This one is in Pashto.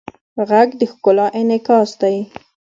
غږ د ښکلا انعکاس دی